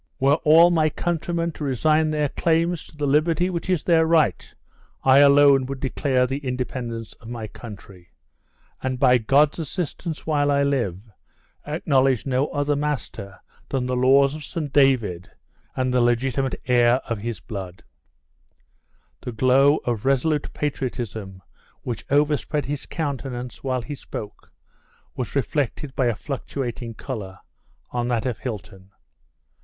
Were all my countrymen to resign their claims to the liberty which is their right, I alone would declare the independence of my country; and by God's assistance, while I live, acknowledge no other master than the laws of St. David, and the legitimate heir of his blood!" The glow of resolute patriotism which overspread his countenance while he spoke was reflected by a fluctuating color on that of Hilton.